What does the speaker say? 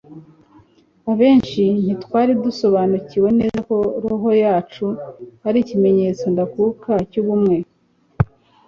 abenshi ntitwari dusobanukiwe neza ko roho yacu ari ikimenyetso ndakuka cy'ubumwe